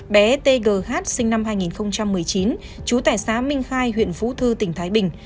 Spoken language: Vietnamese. bé t g h sinh năm hai nghìn một mươi chín chú tẻ xá minh khai huyện phú thư tp thái bình